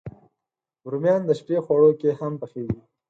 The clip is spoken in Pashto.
رومیان د شپی خواړو کې هم پخېږي